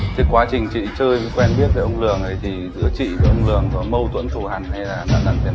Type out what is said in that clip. thế quá trình chị chơi với quen biết về ông lương thì giữa chị với ông lương có mâu thuẫn tổ hẳn hay là nạn hẳn gì với nhau không